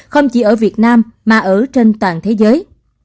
không chỉ ở việt nam mà ở trên toàn thế giới